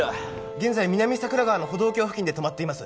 現在南桜川の歩道橋付近で止まっています